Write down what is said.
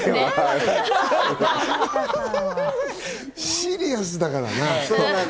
シリアスだからな。